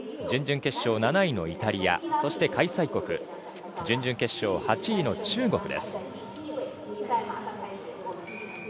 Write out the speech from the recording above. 準々決勝７位のイタリアそして開催国準々決勝８位の中国です。